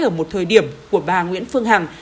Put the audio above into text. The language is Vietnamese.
ở một thời điểm của bà nguyễn phương hằng